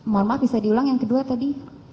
mohon maaf bisa diulang yang kedua tadi